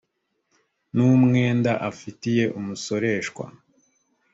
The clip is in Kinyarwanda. n umwenda afitiye umusoreshwa